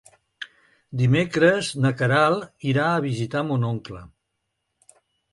Dimecres na Queralt irà a visitar mon oncle.